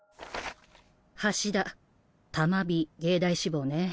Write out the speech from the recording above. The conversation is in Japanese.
橋田多摩美藝大志望ね。